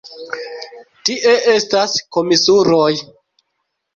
Tie estas komisuroj!